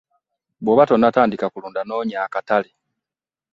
Bw'oba tonnatandika kulunda noonya akatale.